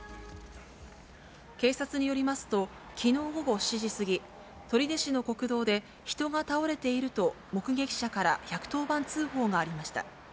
警察によりますと、きのう午後７時過ぎ、取手市の国道で、人が倒れていると目撃者から１１０番通報がありました。